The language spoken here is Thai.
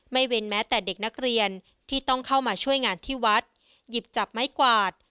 เว้นแม้แต่เด็กนักเรียนที่ต้องเข้ามาช่วยงานที่วัดหยิบจับไม้กวาด